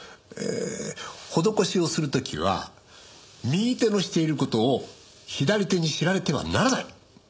ええ施しをする時は右手のしている事を左手に知られてはならない！